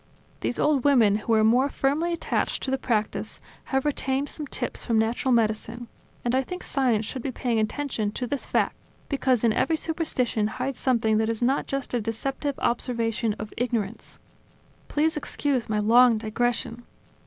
These old women, who are more firmly attached to the practice, have retained some tips from natural medicine; and I think science should be paying attention to this fact, because in every superstition hides something that is not just a deceptive observation of ignorance ... Please excuse my long digression.